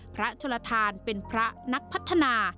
โชลทานเป็นพระนักพัฒนา